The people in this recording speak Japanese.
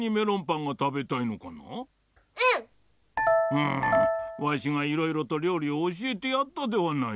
うんわしがいろいろとりょうりをおしえてやったではないか。